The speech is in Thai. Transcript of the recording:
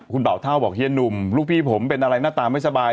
คุณเป่าเท่าบอกเฮียหนุ่มลูกพี่ผมเป็นอะไรหน้าตาไม่สบาย